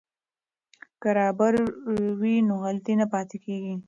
که رابر وي نو غلطي نه پاتې کیږي.